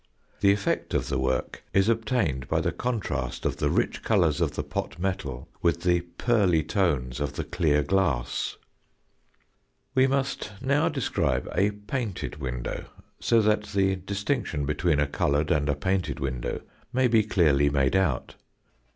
The effect of the work is obtained by the contrast of the rich colours of the pot metal with the pearly tones of the clear glass. We must now describe a painted window, so that the distinction between a coloured and a painted window may be clearly made out.